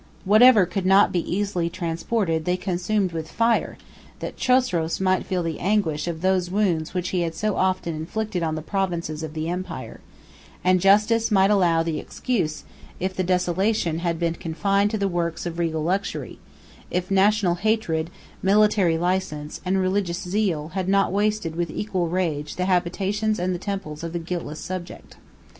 Whatever could not be easily transported, they consumed with fire, that Chosroes might feel the anguish of those wounds which he had so often inflicted on the provinces of the empire: and justice might allow the excuse, if the desolation had been confined to the works of regal luxury, if national hatred, military license, and religious zeal, had not wasted with equal rage the habitations and the temples of the guiltless subject.